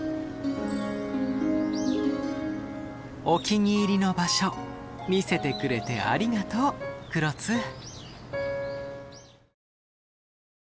お気に入りの場所見せてくれてありがとうクロツー。